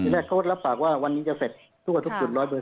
แรกโค้ดรับปากว่าวันนี้จะเสร็จทั่วทุกจุด๑๐๐